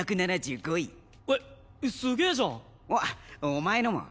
お前のも。